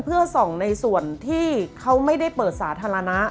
เพื่อส่องในส่วนที่เขาไม่ได้เปิดสาธารณะ